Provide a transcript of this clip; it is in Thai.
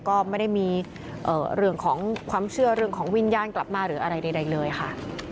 ก็ไม่ได้มีเรื่องของความเชื่อเรื่องของวิญญาณกลับมาหรืออะไรใดเลยค่ะ